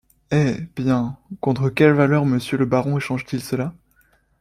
Eh! bien, contre quelle valeur monsieur le baron échange-t-il cela?